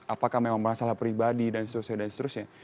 apakah memang masalah pribadi dan seterusnya